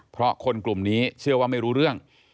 เพราะคนกลุ่มนี้เชื่อว่าไม่รู้เรื่อง